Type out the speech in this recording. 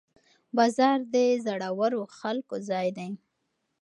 بازار د زړورو خلکو ځای دی.